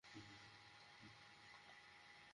স্বেচ্ছায় জালে গিয়ে ধরা দিলেন।